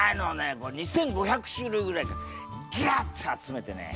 これ２，５００種類ぐらいぎゅって集めてね